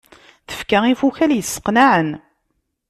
Tefka ifukal yesseqnaɛen.